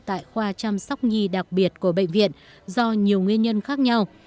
tại khoa chăm sóc nhi đặc biệt của bệnh viện do nhiều nguyên nhân khác nhau